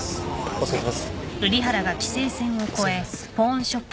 お疲れさまです。